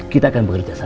kita akan bekerja sama